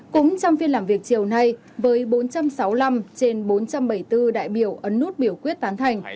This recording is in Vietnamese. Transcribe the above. cũng trong phiên làm việc chiều nay với bốn trăm sáu mươi năm trên bốn trăm bảy mươi bốn đại biểu ấn nút biểu quyết tán thành